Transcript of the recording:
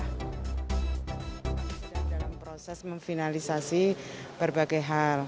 kami sedang dalam proses memfinalisasi berbagai hal